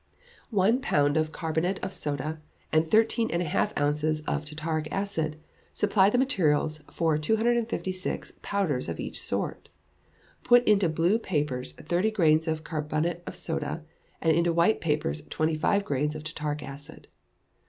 One pound of carbonate of soda, and thirteen and a half ounces of tartaric acid, supply the materials for 256 powders of each sort. Put into blue papers thirty grains of carbonate of soda, and into white papers twenty five grains of tartaric acid.